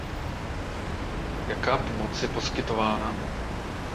Jaká pomoc je poskytována?